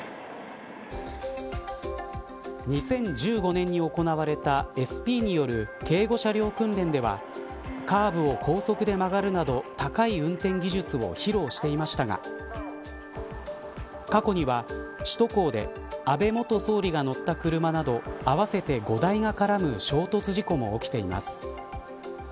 ２０１５年に行われたＳＰによる警護車両訓練ではカーブを高速で曲がるなど高い運転技術を披露していましたが過去には首都高で安倍元総理が乗った車など合わせて５台が絡む衝突事故も起きています。